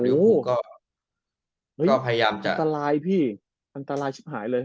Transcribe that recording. แบบแบบแล้วก็ก็พยายามจะอันตรายพี่อันตรายชิบหายเลย